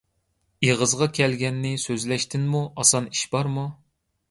ئېغىزغا كەلگەننى سۆزلەشتىنمۇ ئاسان ئىش بارمۇ؟